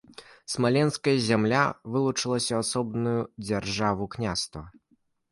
Смаленская зямля вылучылася ў асобную дзяржаву-княства.